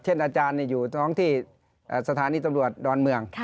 อาจารย์อยู่ท้องที่สถานีตำรวจดอนเมือง